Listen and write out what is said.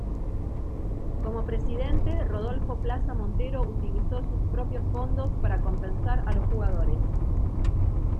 Como presidente Rodolfo Plaza Montero utilizó sus propios fondos para compensar a los jugadores.